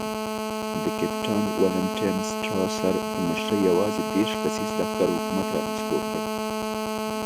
د کپټان والنټاین سټراسر په مشرۍ یوازې دېرش کسیز لښکر حکومت را نسکور کړ.